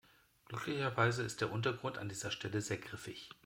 Glücklicherweise ist der Untergrund an dieser Stelle sehr griffig.